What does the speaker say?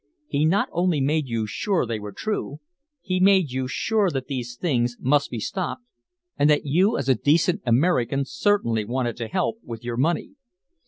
He not only made you sure they were true, he made you sure that these things must be stopped and that you as a decent American certainly wanted to help with your money.